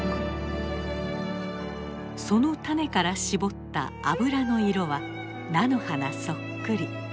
その種から搾った油の色は菜の花そっくり。